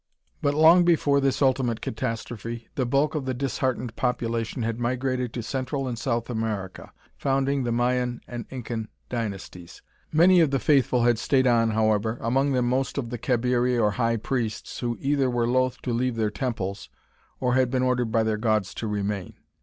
But long before this ultimate catastrophe, the bulk of the disheartened population had migrated to Central and South America, founding the Mayan and Incan dynasties. Many of the faithful had stayed on, however, among them most of the Cabiri or high priests, who either were loath to leave their temples or had been ordered by their gods to remain.